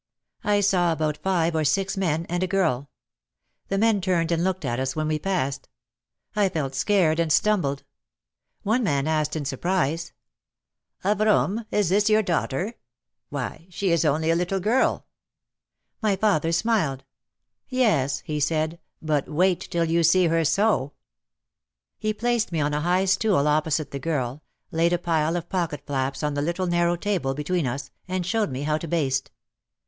I saw about five or six men and a girl. The men turned and looked at us when we passed. I felt scared and stumbled. One man asked in surprise : "Avrom, is this your daughter? Why, she is only a little girl !" My father smiled. "Yes," he said, "but wait till you see her sew." He placed me on a high stool opposite the girl, laid a pile of pocket flaps on the little narrow table between us, and showed me how to baste.